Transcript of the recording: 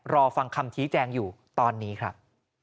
รอฟังคำชี้แจงอยู่ตอนนี้ครับ